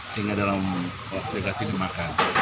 hingga dalam pekasi dimakan